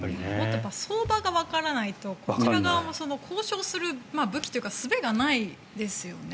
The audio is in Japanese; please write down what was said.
相場がわからないとこちらも交渉する武器というかすべがないですよね。